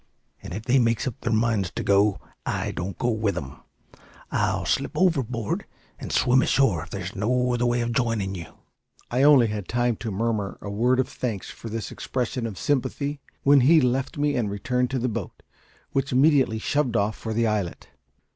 And if they makes up their minds to go, I don't go with 'em. I'll slip overboard, and swim ashore, if there's no other way of joinin' you." I had only time to murmur a word of thanks for this expression of sympathy, when he left me and returned to the boat, which immediately shoved off for the islet.